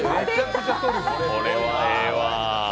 これはええわ。